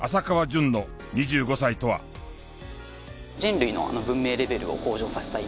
人類の文明レベルを向上させたい。